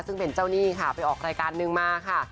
ซึ่งเป็นเจ้าหนี้ค่ะไปออกรายการนึงมาค่ะ